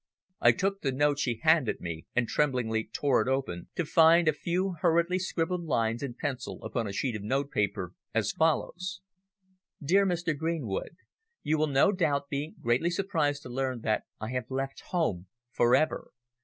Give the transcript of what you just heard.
I took the note she handed me and tremblingly tore it open, to find a few hurriedly scribbled lines in pencil upon a sheet of notepaper, as follows: "Dear Mr. Greenwood, You will no doubt be greatly surprised to learn that I have left home for ever.